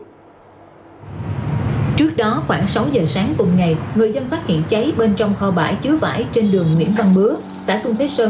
trước đó khoảng sáu giờ sáng cùng ngày người dân phát hiện cháy bên trong kho bãi chứa vải trên đường nguyễn văn bứa xã xuân thế sơn